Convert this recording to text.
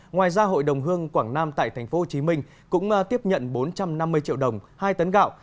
ngoài ra hội đồng hương quảng nam tại tp hcm cũng tiếp nhận bốn trăm năm mươi triệu đồng hai tấn gạo